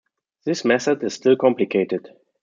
This method is still complicated.